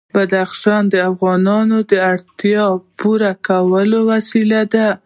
بدخشان د افغانانو د اړتیاوو د پوره کولو وسیله ده.